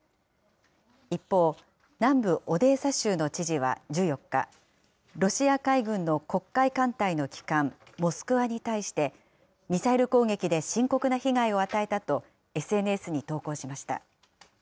一方、南部オデーサ州の知事は１４日、ロシア海軍の黒海艦隊の旗艦モスクワに対して、ミサイル攻撃で深刻な被害を与えたと、ＳＮＳに投稿しました。